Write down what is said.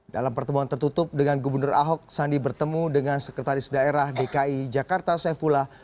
dalam pertemuan tertutup dengan gubernur ahok sandi bertemu dengan sekretaris daerah dki jakarta saifullah